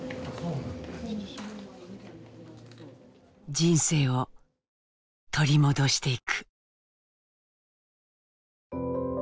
人生を取り戻していく。